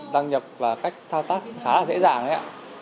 đăng nhập và cách thao tác khá là dễ dàng đấy ạ